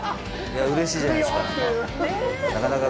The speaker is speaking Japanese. うれしいじゃないですか、なんか。